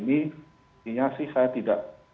sepertinya sih saya tidak